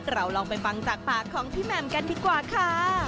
เราลองไปฟังจากปากของพี่แหม่มกันดีกว่าค่ะ